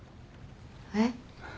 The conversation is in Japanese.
えっ？